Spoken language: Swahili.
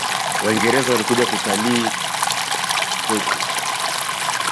Waingereza walikuja kutalii kwetu